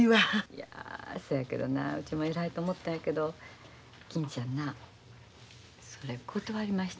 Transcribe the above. いやそやけどなうちも偉いと思ったんやけど金ちゃんなそれ断りましたで。